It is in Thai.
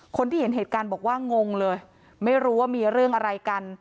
คนที่เห็นเหตุการณ์บอกว่างงเลยไม่รู้ว่ามีเรื่องอะไรกัน